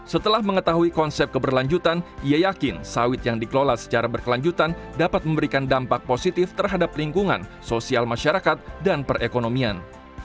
setelah mengetahui konsep keberlanjutan ia yakin sawit yang dikelola secara berkelanjutan dapat memberikan dampak positif terhadap lingkungan sosial masyarakat dan perekonomian